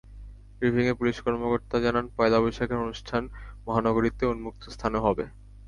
ব্রিফিংয়ে পুলিশ কর্মকর্তা জানান, পয়লা বৈশাখের অনুষ্ঠান মহানগরীতে উন্মুক্ত স্থানে হবে।